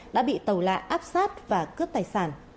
đã bị tàu lạ áp sát và cướp tài sản